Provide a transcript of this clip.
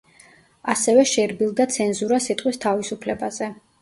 ასევე შერბილდა ცენზურა სიტყვის თავისუფლებაზე.